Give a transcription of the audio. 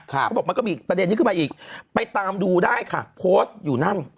มันก็มีประเด็นนี้ขึ้นมาอีกไปตามดูได้ค่ะโพสต์อยู่นั่น